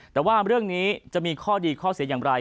แต่ว่าเรื่องนี้จะมีข้อดีข้อเสียอย่างไร